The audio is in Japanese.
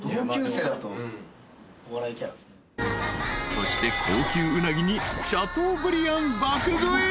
［そして高級うなぎにシャトーブリアン爆食い］